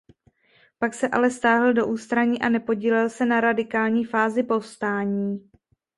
Pak se ale stáhl do ústraní a nepodílel se na radikální fázi povstání.